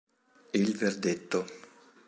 Il verdetto